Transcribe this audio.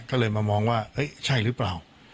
ก็เลยมามองว่าเฮ้ยใช่หรือเปล่า